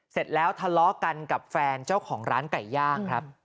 เสร็จแล้วทะเลาะกันกับแฟนเจ้าของร้านไก่ย่างครับ